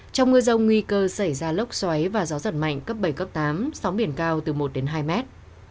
trong mưa rông nguy cơ xảy ra lốc xoáy và gió giật mạnh cấp bảy cấp tám sóng biển cao từ một đến hai mét